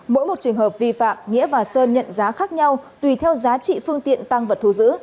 mỗi một trường hợp vi phạm nghĩa và sơn nhận giá khác nhau tùy theo giá trị phương tiện tăng vật thu giữ